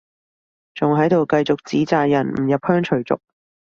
仲喺度繼續指責人唔入鄉隨俗